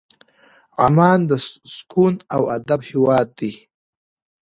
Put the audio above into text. عمان د سکون او ادب هېواد دی.